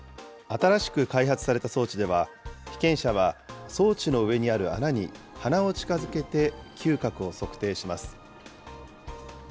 新しく開発された装置では、被験者は装置の上にある穴に鼻を近づけて嗅覚を測定します。